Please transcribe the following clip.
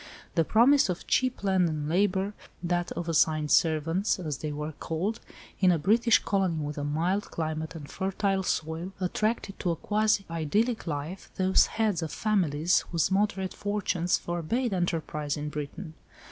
The promise of cheap land and labour (that of assigned servants, as they were called) in a British colony with a mild climate and fertile soil, attracted to a quasi idyllic life those heads of families, whose moderate fortunes forbade enterprise in Britain.